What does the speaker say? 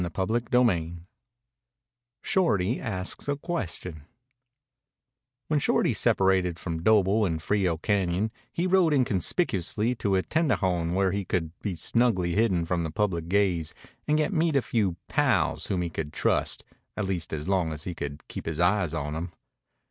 CHAPTER XXXVII SHORTY ASKS A QUESTION When Shorty separated from Doble in Frio Cañon he rode inconspicuously to a tendejon where he could be snugly hidden from the public gaze and yet meet a few "pals" whom he could trust at least as long as he could keep his eyes on them.